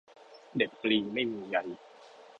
เด็ดปลีไม่มีใย